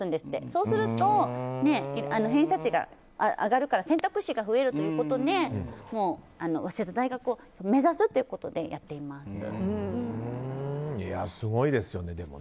そうすると偏差値が上がるから選択肢が増えるということでもう、早稲田大学を目指すっていうことですごいですよね、でも。